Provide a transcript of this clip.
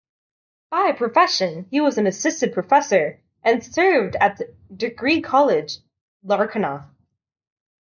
By profession he was Assistant Professor and served at degree college Larkana.